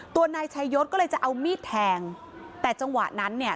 ตัวนายชายศก็เลยจะเอามีดแทงแต่จังหวะนั้นเนี่ย